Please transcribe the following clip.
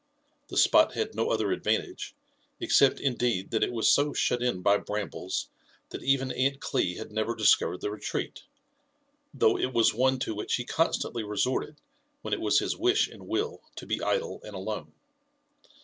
The spot had no other advantage, except indeed that it was 80 shut in by brambles, that even Aunt Cli had never discovered the retreat, though it was one to which he constantly resorted when it was his wish and will to be idle and alone.